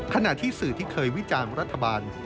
ขณะที่สื่อที่เคยวิจารณ์รัฐบาล